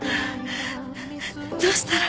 どうしたら。